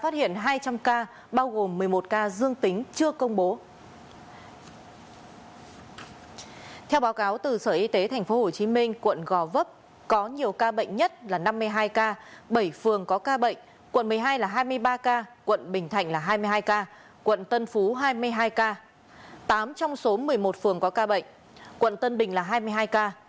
tám trong số một mươi một phường có ca bệnh quận tân bình là hai mươi hai ca